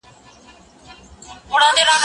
زه تمرين کړي دي!؟